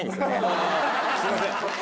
すいません。